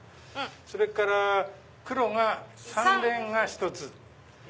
それから黒が３連が１つ。